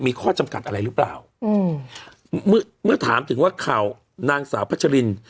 มีข้อจำกัดอะไรหรือเปล่าอืมเมื่อเมื่อถามถึงว่าข่าวนางสาวพัชริน